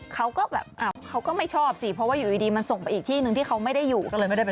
ก็ไม่ได้ไปสู้กับกู